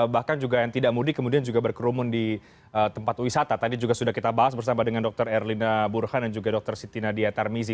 bahkan juga yang tidak mudik kemudian juga berkerumun di tempat wisata tadi juga sudah kita bahas bersama dengan dr erlina burhan dan juga dr siti nadia tarmizi